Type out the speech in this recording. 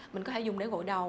mình có thể dùng để gội đầu